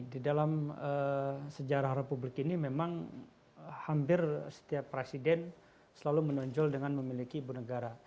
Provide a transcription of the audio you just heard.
di dalam sejarah republik ini memang hampir setiap presiden selalu menonjol dengan memiliki ibu negara